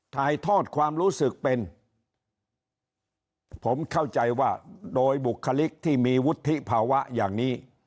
ถ่ายทอดความรู้สึกเป็นผมเข้าใจว่าโดยบุคลิกที่มีวุฒิภาวะอย่างนี้